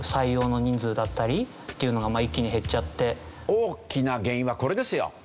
大きな原因はこれですよ。